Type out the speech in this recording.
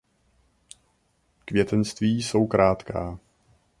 Květenství jsou krátká.